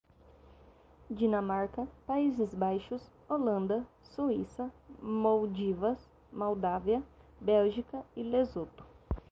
Dinamarca, Países Baixos, Holanda, Suíça, Moldávia, Bélgica, Lesoto